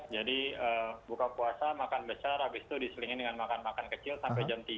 jadi buka puasa makan besar habis itu diselingin dengan makan makan kecil sampai jam tiga